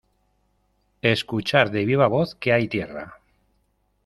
escuchar de viva voz que hay tierra